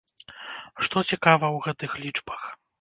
Што цікава ў гэтых лічбах?